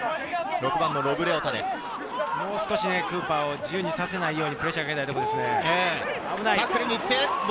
もう少しクーパーを自由にさせないようにプレッシャーをかけたいですね。